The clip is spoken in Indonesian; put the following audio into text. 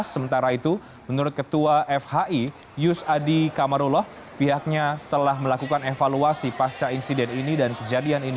sementara itu menurut ketua fhi yus adi kamarullah pihaknya telah melakukan evaluasi pasca insiden ini dan kejadian ini